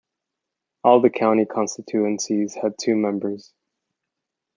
All the County constituencies had two members.